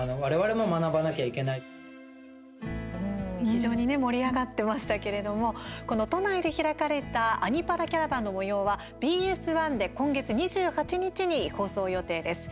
非常にね盛り上がってましたけれどもこの都内で開かれた「アニ×パラキャラバン」のもようはＢＳ１で今月２８日に放送予定です。